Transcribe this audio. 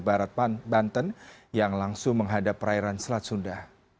barat banten yang langsung menghadap perairan selat sunda